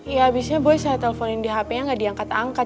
ya abisnya boy saya telfonin di hp yang gak diangkat angkat